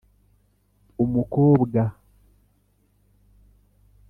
umukobwa.